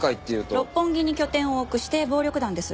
六本木に拠点を置く指定暴力団です。